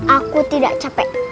aku tidak capek